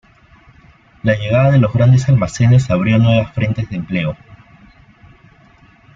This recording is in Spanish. La llegada de los grandes almacenes abrió nuevas frentes de empleo.